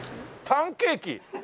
パンケーキ？